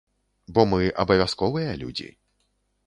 Бо мы абавязковыя людзі.